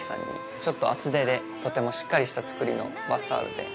ちょっと厚手でとてもしっかりした作りのバスタオルで。